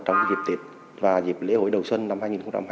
trong dịp tiệc và dịp lễ hội đầu xuân năm hai nghìn hai mươi bốn